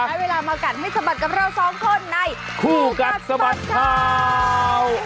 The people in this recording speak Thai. ได้เวลามากัดให้สะบัดกับเราสองคนในคู่กัดสะบัดข่าว